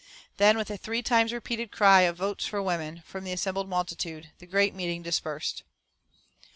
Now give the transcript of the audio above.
Then, with a three times repeated cry of "Votes for Women!" from the assembled multitude, the great meeting dispersed.